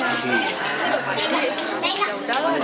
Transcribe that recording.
ya allah sudah muda banget